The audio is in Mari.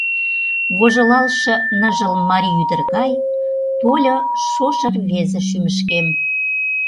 Вожылалше ныжыл марий ӱдыр гай Тольо шошо рвезе шӱмышкем.